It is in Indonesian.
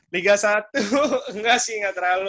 liga satu enggak sih enggak terlalu